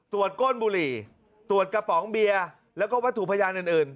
ก้นบุหรี่ตรวจกระป๋องเบียร์แล้วก็วัตถุพยานอื่น